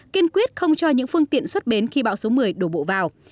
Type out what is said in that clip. kiên quyết không cho những phương tiện xuất bến khi bão số một mươi đổ bộ vào